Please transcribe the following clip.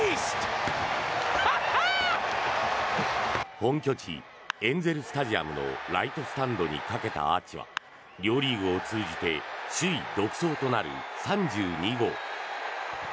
本拠地エンゼル・スタジアムのライトスタンドに建てたアーチは両リーグを通じて首位独走となる３２号。